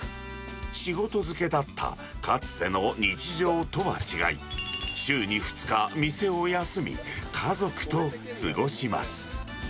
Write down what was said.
仕事漬けだったかつての日常とは違い、週に２日、店を休み、家族と過ごします。